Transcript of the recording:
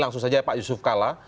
langsung saja pak yusuf kalla